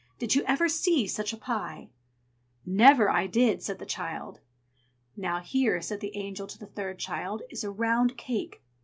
Did ever you see such a pie?" "Never I did!" said the child. "Now here," said the Angel to the third child, "is a round cake.